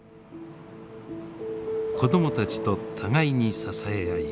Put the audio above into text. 子どもたちと互いに支え合い